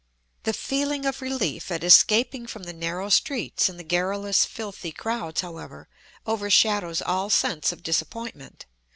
The feeling of relief at escaping from the narrow streets and the garrulous, filthy crowds, however, overshadows all sense of disappointment.